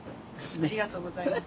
ありがとうございます。